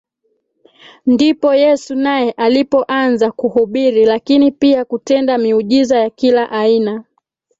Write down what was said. Ndipo Yesu naye alipoanza kuhubiri lakini pia kutenda miujiza ya kila aina